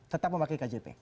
tetap memakai kjp